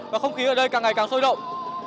và không khí ở đây càng ngày càng sôi động